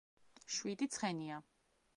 შვიდი ცხენია.